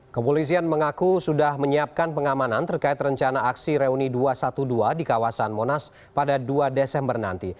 kepolisian mengaku sudah menyiapkan pengamanan terkait rencana aksi reuni dua ratus dua belas di kawasan monas pada dua desember nanti